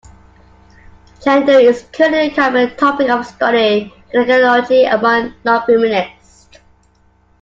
Gender is currently a common topic of study in archaeology among non-feminists.